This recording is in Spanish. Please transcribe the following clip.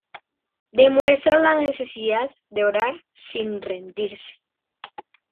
Demuestra la necesidad de orar sin rendirse.